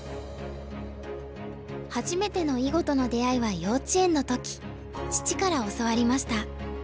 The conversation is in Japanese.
初めての囲碁との出会いは幼稚園の時父から教わりました。